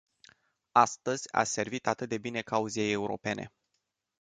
Astăzi ați servit atât de bine cauzei europene!